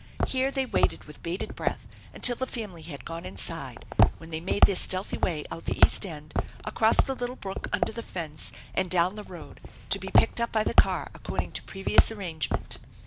Here they waited with bated breath until the family had gone inside, when they made their stealthy way out the east end, across the little brook under the fence, and down the road, to be picked up by the car according to previous arrangement.